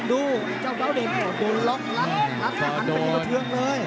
ดูเจ้าเว้าเด็กก็โดนล็อคลัดและหันเป็นกระเทืองเลย